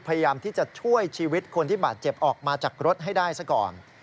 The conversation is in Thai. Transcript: พยายามที่จะช่วยชีวิตคนที่บาดเจ็บออกมาจากรถให้ได้ซะก่อน